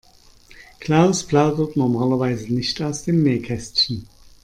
Klaus plaudert normalerweise nicht aus dem Nähkästchen.